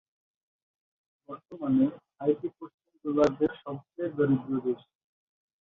বর্তমানে হাইতি পশ্চিম গোলার্ধের সবচেয়ে দরিদ্র দেশ।